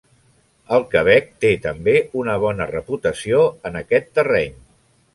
El Quebec té també una bona reputació en aquest terreny.